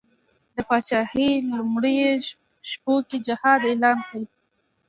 د پاچهي لومړیو شپو کې جهاد اعلان کړ.